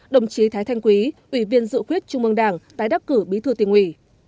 đồng chí thái thanh quý ủy viên dự quyết trung mương đảng tái đắc cử bí thư tiền quỷ